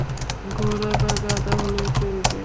ঘোড়া বা গাধা হলেও চলবে।